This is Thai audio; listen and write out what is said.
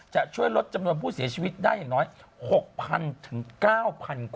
จะช่วยลดจำนวนผู้เสียชีวิตได้อย่างน้อย๖๐๐ถึง๙๐๐คน